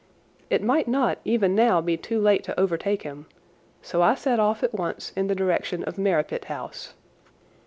It might not even now be too late to overtake him, so I set off at once in the direction of Merripit House.